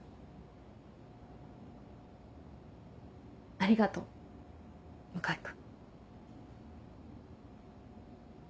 ありがとう向井君。